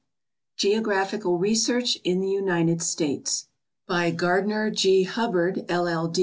GEOGRAPHICAL RESEARCH IN THE UNITED STATES* By Gardiner G. Hubbard, LL.